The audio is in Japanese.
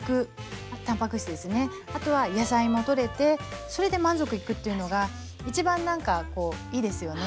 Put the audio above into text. あとは野菜もとれてそれで満足いくっていうのが一番何かこういいですよね。